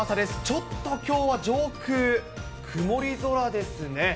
ちょっときょうは上空、曇り空ですね。